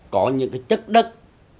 có những chất đất